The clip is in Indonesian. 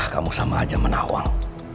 kamu sama aja menawang